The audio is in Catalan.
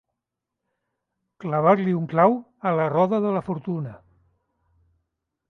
Clavar-li un clau a la roda de la fortuna.